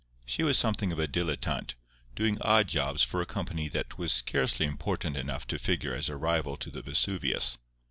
She was something of a dilettante, doing odd jobs for a company that was scarcely important enough to figure as a rival to the Vesuvius.